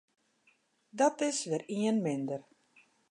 Dat is wer ien minder.